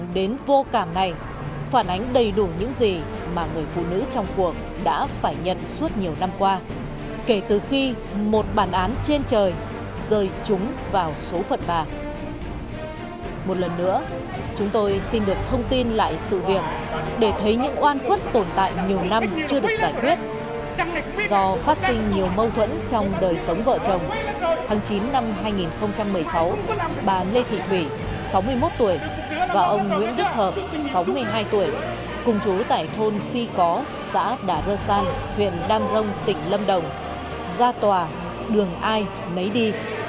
do phát sinh nhiều mâu thuẫn trong đời sống vợ chồng tháng chín năm hai nghìn một mươi sáu bà lê thị vĩ sáu mươi một tuổi và ông nguyễn đức hợp sáu mươi hai tuổi cùng chú tại thôn phi có xã đà rơ san huyện đam rông tỉnh lâm đồng ra tòa đường ai mấy đi